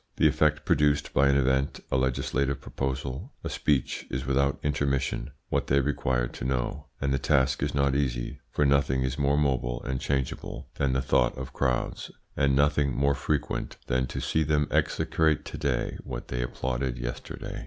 The effect produced by an event, a legislative proposal, a speech, is without intermission what they require to know, and the task is not easy, for nothing is more mobile and changeable than the thought of crowds, and nothing more frequent than to see them execrate to day what they applauded yesterday.